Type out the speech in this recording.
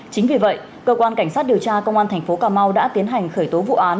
chính vì vậy cơ quan cảnh sát điều tra công an tp cà mau đã tiến hành khởi tối vụ án